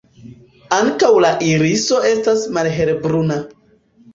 Ankaŭ la iriso estas malhelbruna.